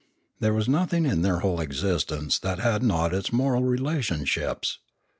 There was nothing in their whole existence that had not its moral relation ships.